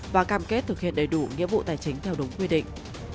và cam kết thực hiện đầy đủ nghĩa vụ tài chính theo đúng quy định